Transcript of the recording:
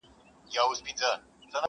پر كورونو د بلا، ساه ده ختلې!